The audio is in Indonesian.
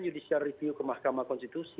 judicial review ke mahkamah konstitusi